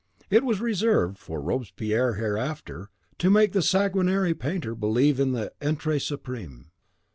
It was reserved for Robespierre hereafter to make the sanguinary painter believe in the Etre Supreme.